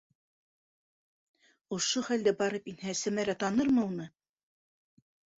Ошо хәлдә барып инһә, Сәмәрә танырмы уны?